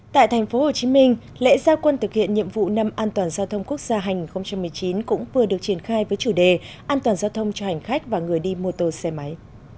tại tp hcm lễ gia quân thực hiện nhiệm vụ năm an toàn giao thông quốc gia hành hai nghìn một mươi chín cũng vừa được triển khai với chủ đề an toàn giao thông cho hành khách và người đi mô tô xe máy